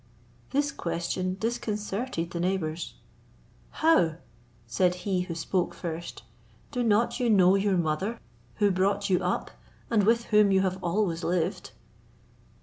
This question disconcerted the neighbours. "How!" said he who spoke first, "do not you know your mother who brought you up, and with whom you have always lived?"